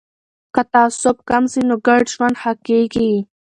که تعصب کم سي نو ګډ ژوند ښه کیږي.